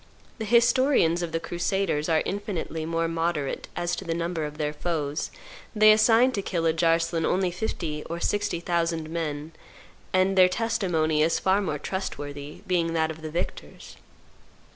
The historians of the crusaders are infinitely more moderate as to the number of their foes; they assign to Kilidge Arslan only fifty or sixty thousand men, and their testimony is far more trustworthy, being that of the victors.